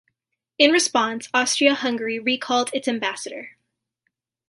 In response, Austria-Hungary recalled its ambassador.